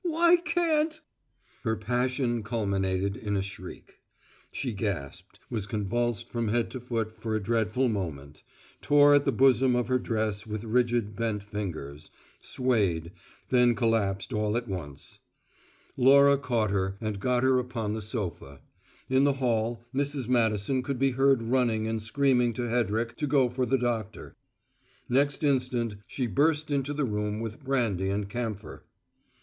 Why can't " Her passion culminated in a shriek: she gasped, was convulsed from head to foot for a dreadful moment, tore at the bosom of her dress with rigid bent fingers, swayed; then collapsed all at once. Laura caught her, and got her upon the sofa. In the hall, Mrs. Madison could be heard running and screaming to Hedrick to go for the doctor. Next instant, she burst into the room with brandy and camphor.